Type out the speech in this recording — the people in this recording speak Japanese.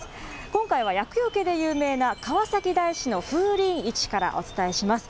今回は厄よけで有名な川崎大師の風鈴市からお伝えします。